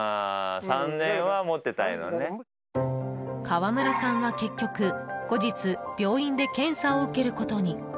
川村さんは結局後日、病院で検査を受けることに。